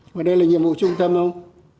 mà đây là nhiệm vụ trung tâm không